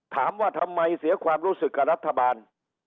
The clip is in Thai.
ถามว่าทำไมเสียความรู้สึกกับรัฐบาล